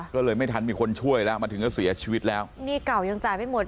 ก็เลยไม่ทันมีคนช่วยแล้วมาถึงก็เสียชีวิตแล้วหนี้เก่ายังจ่ายไม่หมด